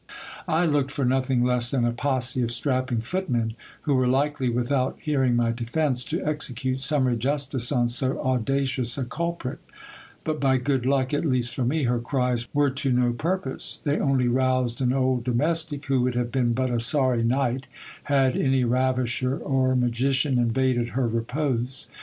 I looked for nothing less than a posse of strapping footmen who were likely, without hearing my defence, to execute summary justice on so audacious a culprit ; but by good luck, at least for me, her cries were to no purpose ; they only roused an old domestic, who would have been but a sorry knight had any ravisher or magician invaded her repose.